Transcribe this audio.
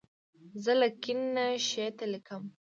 زه له کیڼ نه ښي ته لیکم.